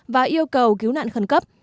và yêu cầu cứu nạn khẩn cấp